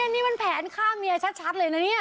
นี่มันแผนฆ่าเมียชัดเลยนะเนี่ย